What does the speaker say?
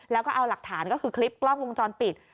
แล้วก็เอาหลักฐานก็คือคลิปกล้องวงจรปิด